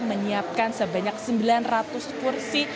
menyiapkan sebanyak sembilan ratus kursi